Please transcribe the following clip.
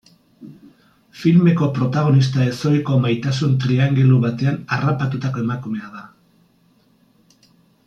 Filmeko protagonista ezohiko maitasun-triangelu batean harrapatutako emakumea da.